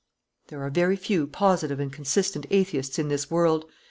There are very few positive and consistent atheists in this world.